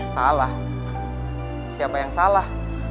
salah siapa yang salah